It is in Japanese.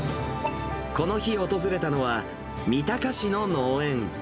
この日訪れたのは、三鷹市の農園。